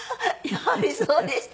やはりそうでした。